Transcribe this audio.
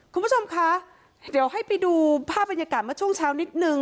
คุณผู้ชมคะเดี๋ยวให้ไปดูภาพบรรยากาศเมื่อช่วงเช้านิดนึง